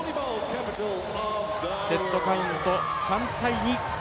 セットカウント３−２。